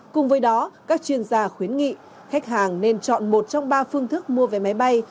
cùng với đó các chuyên gia khuyến nghị khách hàng nên chọn một trong ba phương thức mua vé máy bay